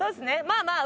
まあまあ。